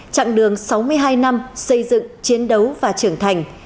chặng đường sáu mươi hai năm xây dựng chiến đấu và trưởng thành